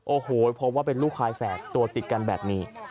โอ้โหพบว่าเป็นลูกควายแฝดตัวติดกันแบบนี้